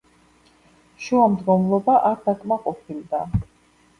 შუამდგომლობა არ დაკმაყოფილდა.